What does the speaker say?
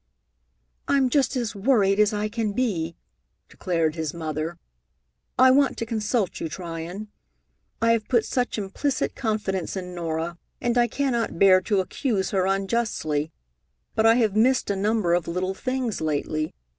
"I'm just as worried as I can be," declared his mother. "I want to consult you, Tryon. I have put such implicit confidence in Norah, and I cannot bear to accuse her unjustly, but I have missed a number of little things lately.